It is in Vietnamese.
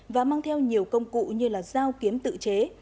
và mang theo nhiều công cụ như là giao kiếm tự chế